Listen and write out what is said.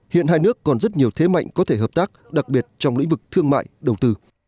hiện hai nước còn rất nhiều thế mạnh có thể hợp tác đặc biệt trong lĩnh vực thương mại đầu tư